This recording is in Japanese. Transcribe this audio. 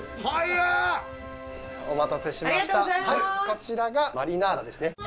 こちらがマリナーラですね。